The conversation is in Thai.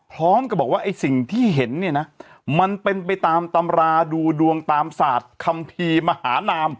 พร้อมกับบอกว่าไอ้สิ่งที่เห็นเนี่ยนะมันเป็นไปตามตำราดูดวงตามศาสตร์คัมภีร์มหานาม